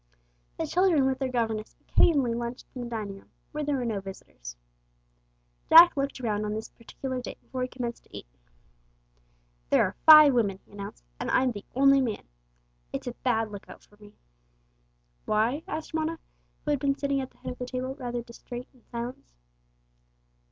The children with their governess occasionally lunched in the dining room, when there were no visitors. Jack looked around on this particular day before he commenced to eat. "There are five women," he announced; "and I'm the only man. It's a bad lookout for me!" "Why?" asked Mona, who had been sitting at the head of the table rather distrait and silent.